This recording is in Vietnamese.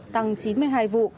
tăng chín mươi hai vụ